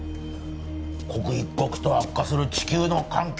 刻一刻と悪化する地球の環境